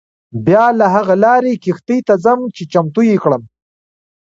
بیا له هغه لارې کښتۍ ته ځم چې چمتو یې کړم.